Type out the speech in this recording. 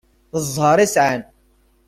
D ẓẓher i sεan.